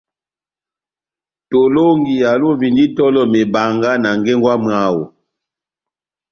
Tolɔngi alovindi itɔlɔ mebanga na ngengo ya mwáho.